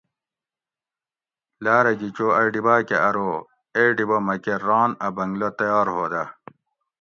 "لاۤرہ گھی چو ائی ڈیباۤ کہ ارو ""اے ڈیبہ مکہ ران اۤ بنگلہ تیار ہودہ"""